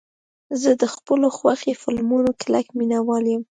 زه د خپلو خوښې فلمونو کلک مینهوال یم.